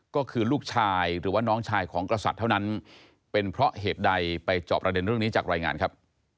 ก็คือลูกชายหรือว่าน้องชายของกษัตริย์เท่านั้นเป็นเพราะเหตุใดไปจอบประเด็นเรื่องนี้จากรายงานครับ